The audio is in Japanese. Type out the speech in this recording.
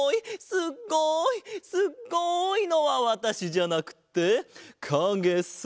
すっごい！」のはわたしじゃなくてかげさ。